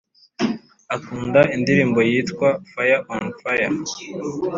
akunda indirimbo yitwa fire on fire